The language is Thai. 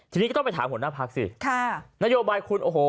ทีนี้ก็ต้องไปถามหัวหน้าพักสิค่ะนโยบายคุณโอ้โห